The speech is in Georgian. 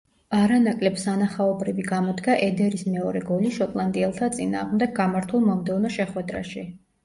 არანაკლებ სანახაობრივი გამოდგა ედერის მეორე გოლი შოტლანდიელთა წინააღმდეგ გამართულ მომდევნო შეხვედრაში.